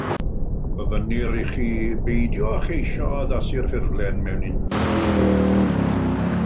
Gofynnir ichi beidio â cheisio addasu'r ffurflen mewn unrhyw fodd